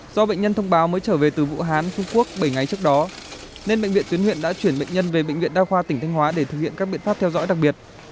do bệnh nhân thông báo mới trở về từ vũ hán trung quốc bảy ngày trước đó nên bệnh viện tuyến huyện đã chuyển bệnh nhân về bệnh viện đa khoa tỉnh thanh hóa để thực hiện các biện pháp theo dõi đặc biệt